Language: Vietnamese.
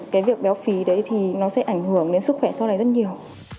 cái việc béo phì đấy thì nó sẽ ảnh hưởng đến sức khỏe sau này rất nhiều